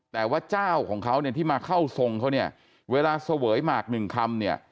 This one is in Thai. แต่ว่าเจ้าของเขาเนี่ยที่มาเข้าทรงเขาเนี่ยเวลาเสวยหมากหนึ่งคำเนี่ย